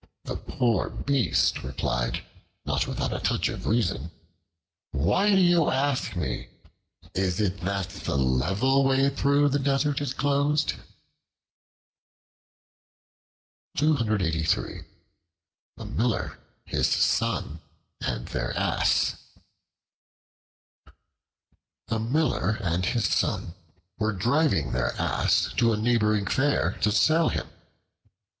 The poor beast replied, not without a touch of reason: "Why do you ask me? Is it that the level way through the desert is closed?" The Miller, His Son, and Their Ass A MILLER and his son were driving their Ass to a neighboring fair to sell him.